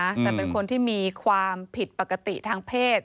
แต่เป็นคนที่มีความผิดปกติทางเพศ